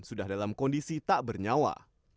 sudah dalam kondisi tak bernyawa